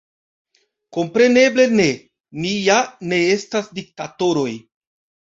Kompreneble ne – ni ja ne estas diktatoroj!